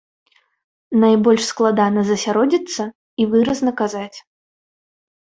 Найбольш складана засяродзіцца і выразна казаць.